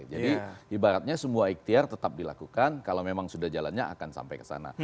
jadi ibaratnya semua ikhtiar tetap dilakukan kalau memang sudah jalannya akan sampai ke sana